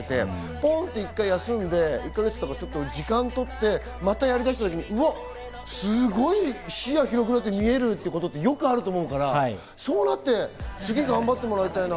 ポンって１か月とか休んで、時間とってまたやりだしたとき、すごい視野が広くなって見えるってことってよくあると思うから、そうなって、次、頑張ってもらいたいな。